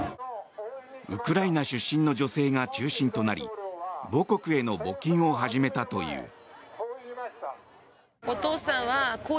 ウクライナ出身の女性が中心となり母国への募金を始めたという。